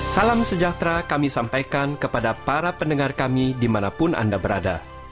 salam sejahtera kami sampaikan kepada para pendengar kami dimanapun anda berada